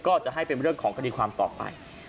ก็จะให้เป็นเรื่องของคดีความต่อไป